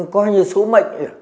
coi như số mệnh